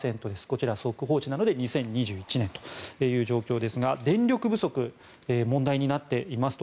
こちら、速報値なので２０２１年という状況ですが電力不足当然、問題になっています。